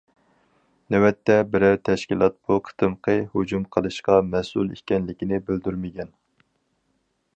نۆۋەتتە بىرەر تەشكىلات بۇ قېتىمقى ھۇجۇم قىلىشقا مەسئۇل ئىكەنلىكىنى بىلدۈرمىگەن.